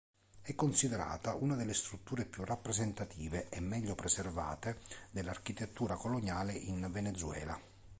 È considerata una delle strutture più rappresentative e meglio preservate dell'architettura coloniale in Venezuela.